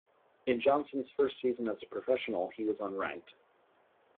In Johnson's first season as a professional he was unranked.